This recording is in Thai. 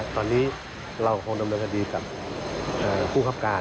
ตอนนี้เราคงดำเนินคดีกับผู้คับการ